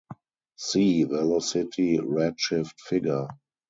See velocity-redshift figure.